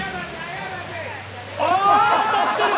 あ当たってる！